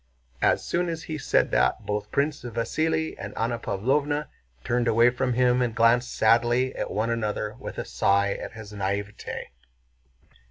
As soon as he said this both Prince Vasíli and Anna Pávlovna turned away from him and glanced sadly at one another with a sigh at his naïveté.